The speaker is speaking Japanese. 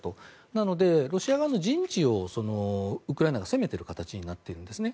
なので、ロシア側の陣地をウクライナが攻めている形になっているんですね。